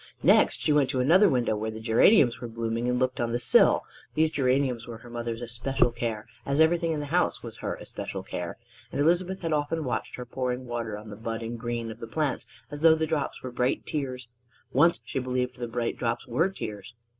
Next she went to another window where the geraniums were blooming, and looked on the sill: these geraniums were her mother's especial care, as everything in the house was her especial care; and Elizabeth had often watched her pouring water on the budding green of the plants as though the drops were bright tears: once she believed the bright drops were tears.